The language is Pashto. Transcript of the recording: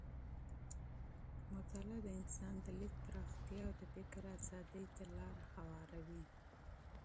مطالعه د انسان د لید پراختیا او د فکر ازادۍ ته لاره هواروي.